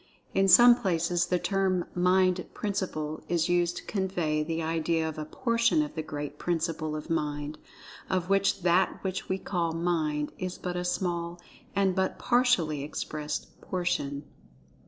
In some places the term "Mind principle" is used to convey the idea of "a portion of the Great Principle of Mind, of which that which we call 'Mind' is but a small and but partially expressed portion."